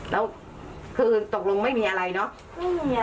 แล้วคือตกลงไม่มีอะไรเนาะ